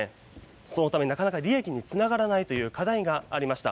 そのため、なかなか利益につながらないという課題がありました。